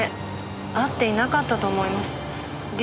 会っていなかったと思います。